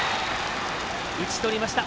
打ち取りました。